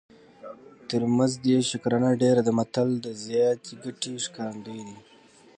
تر مزد یې شکرانه ډېره ده متل د زیاتې ګټې ښکارندوی دی